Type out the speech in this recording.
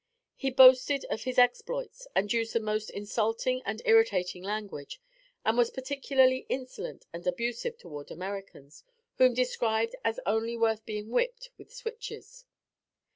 He boasted of his exploits, and used the most insulting and irritating language, and was particularly insolent and abusive towards Americans, whom he described as only worth being whipped with switches.